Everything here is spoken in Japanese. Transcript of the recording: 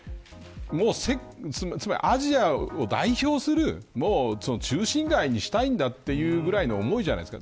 つまり、アジアを代表する中心街にしたいんだというぐらいの思いじゃないですか。